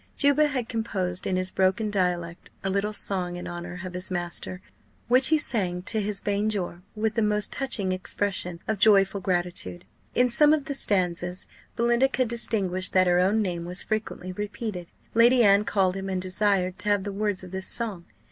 Juba had composed, in his broken dialect, a little song in honour of his master, which he sang to his banjore with the most touching expression of joyful gratitude. In some of the stanzas Belinda could distinguish that her own name was frequently repeated. Lady Anne called him, and desired to have the words of this song.